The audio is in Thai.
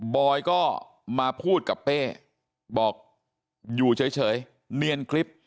อยก็มาพูดกับเป้บอกอยู่เฉยเนียนคลิป